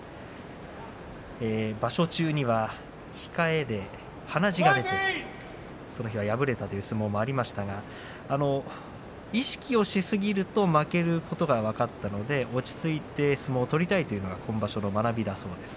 場所中には控えで鼻血が出てその日は敗れたという相撲がありましたが意識をしすぎると負けることが分かったので落ち着いて相撲を取りたいというのが、今場所の学びだそうです